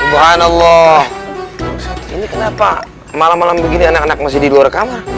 tuhan allah ini kenapa malam malam begini anak anak masih di luar kamar